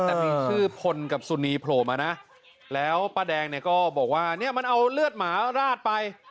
แต่มีชื่อพลกับสุนีโผล่มานะแล้วป้าแดงเนี่ยก็บอกว่าเนี่ยมันเอาเลือดหมาราดไป